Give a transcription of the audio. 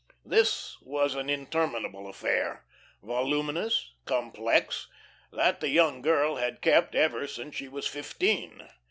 This was an interminable affair, voluminous, complex, that the young girl had kept ever since she was fifteen.